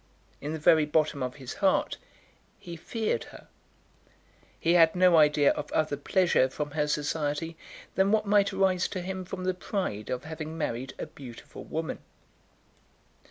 In the very bottom of his heart he feared her. He had no idea of other pleasure from her society than what might arise to him from the pride of having married a beautiful woman.